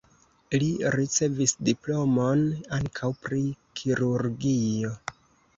Li ricevis diplomon ankaŭ pri kirurgio.